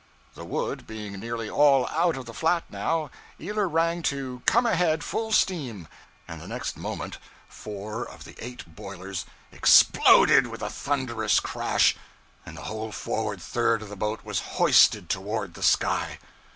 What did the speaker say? The wood being nearly all out of the flat now, Ealer rang to 'come ahead' full steam, and the next moment four of the eight boilers exploded with a thunderous crash, and the whole forward third of the boat was hoisted toward the sky!